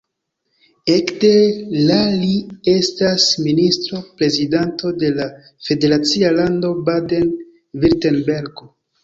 Ekde la li estas ministro-prezidanto de la federacia lando Baden-Virtembergo.